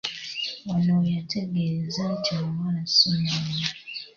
Wano we yategeerezza nti omuwala ssi mweru.